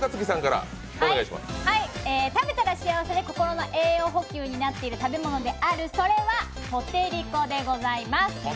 食べたら幸せで心の栄養補給になっている食べ物であるそれは、ポテりこでございます。